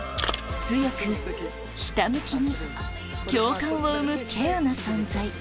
「強くひた向きに」共感を生む稀有な存在